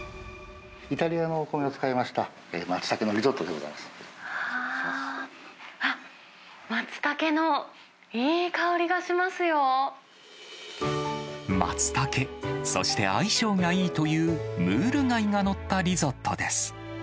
イタリアのお米を使いました、あっ、マツタケのいい香りがマツタケ、そして相性がいいという、ムール貝が載ったリゾットです。